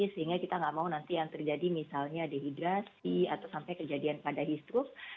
sehingga kita nggak mau nanti yang terjadi misalnya dehidrasi atau sampai kejadian pada heat stroke